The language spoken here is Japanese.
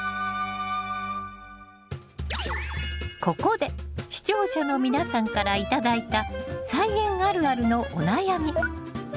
ここで視聴者の皆さんから頂いた菜園あるあるのお悩み。